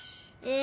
え？